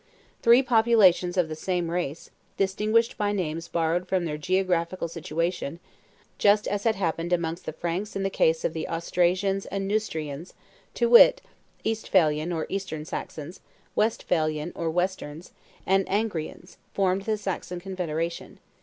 Three populations of the same race, distinguished by names borrowed from their geographical situation, just as had happened amongst the Franks in the case of the Austrasians and Neustrians, to wit, Eastphalian or eastern Saxons, Westphalian or western, and Angrians, formed the Saxon confederation.